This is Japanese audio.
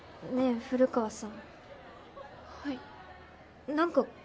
古川さん